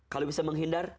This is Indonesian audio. kalau bisa menghindar